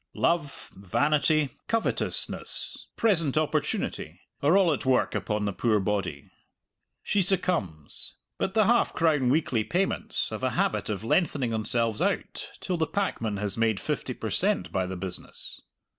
Love, vanity, covetousness, present opportunity, are all at work upon the poor body. She succumbs. But the half crown weekly payments have a habit of lengthening themselves out till the packman has made fifty per cent. by the business.